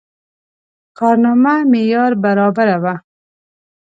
کارنامه معیار برابره وه.